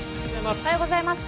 おはようございます。